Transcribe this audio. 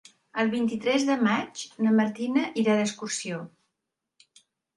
El vint-i-tres de maig na Martina irà d'excursió.